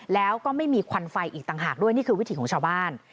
แล้วก็ไม่มีควันไฟอีกต่างหากด้วยนี่คือวิถีของชาวบ้าน